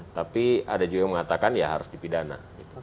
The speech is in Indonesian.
tapi ada juga yang mengatakan ya harus dipidana